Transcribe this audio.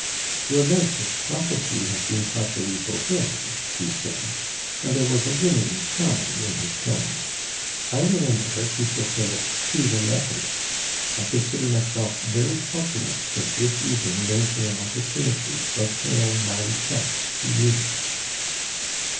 "Your lordship's prophecy has been partially fulfilled," he said, and there was a winning charm in his tones; "I will endeavor to fulfil it to the letter. I consider myself very fortunate since this evening brings me an opportunity of paying my respects to you."